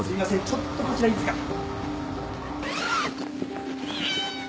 ちょっとこちらいいですか？